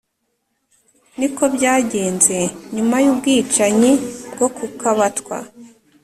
ni ko byagenze nyuma y'ubwicanyi bwo ku kabatwa.